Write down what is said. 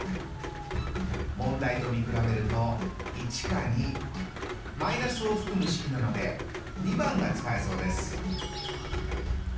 問題と見比べると１か２マイナスを含む式なので２番が使えそうです。